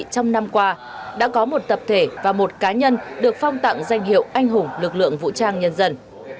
trong năm qua đã có một tập thể và một cá nhân được phong tặng danh hiệu anh hùng lực lượng vũ trang nhân dân